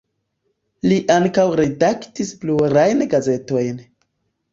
Li ankaŭ redaktis plurajn gazetojn.